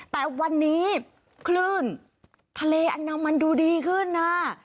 แต่วันนี้คลื่นทะเลอันดามันดูดีขึ้นนะ